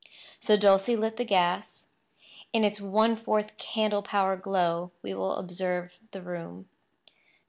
So Dulcie lit the gas. In its one fourth candlepower glow we will observe the room.